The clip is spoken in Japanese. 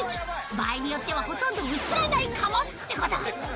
場合によってはほとんど映らないかもって事